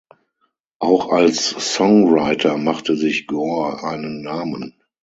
Auch als Songwriter machte sich Gore einen Namen.